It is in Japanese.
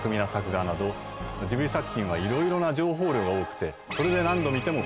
ジブリ作品はいろいろな情報量が多くてそれで。